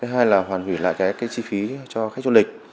hai là hoàn hủy lại cái chi phí cho khách du lịch